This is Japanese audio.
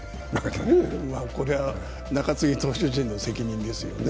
これは中継ぎ投手陣の責任ですよね。